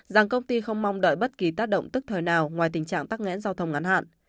rằng công ty không mong đợi bất kỳ tác động tức thời nào ngoài tình trạng tắc nghẽn giao thông ngắn hạn